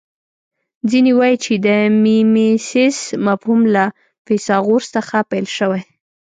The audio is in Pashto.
ځینې وايي چې د میمیسیس مفهوم له فیثاغورث څخه پیل شوی